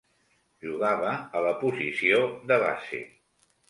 Jugava a la posició de base.